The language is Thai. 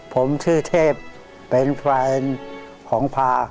ผมชื่อเทพเป็นเพื่อนของพา